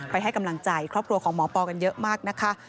ให้กำลังใจครอบครัวของหมอปอกันเยอะมากนะคะ